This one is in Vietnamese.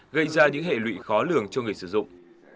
gây ra những hệ lụy khó lường cho người sử dụng